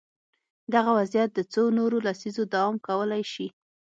دغه وضعیت د څو نورو لسیزو دوام کولای شي.